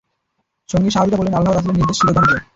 সঙ্গী সাহাবীরা বললেন, আল্লাহর রাসূলের নির্দেশ শিরধার্য।